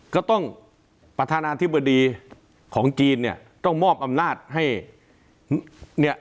ก็ต้องประธานาธิบดีของจีนเนี่ยต้องมอบอำนาจให้เนี่ย